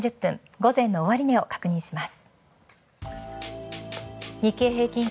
午前の終値を確認します。